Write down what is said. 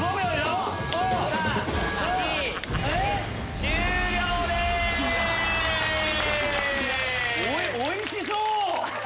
おいおいしそう！